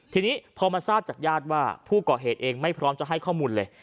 ทีนี้พอมาทราบจากญาติว่าผู้ก่อเหตุเองไม่พร้อมจะให้ข้อมูลเลย